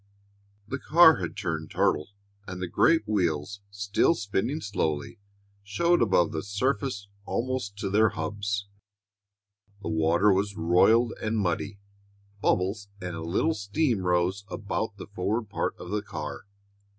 The car had turned turtle, and the great wheels, still spinning slowly, showed above the surface almost to their hubs. The water was roiled and muddy; bubbles and a little steam rose about the forward part of the car.